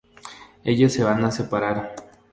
Ellos se van a separar.